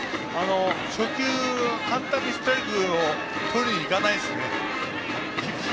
初球、簡単にストライクをとりにいかないんですね。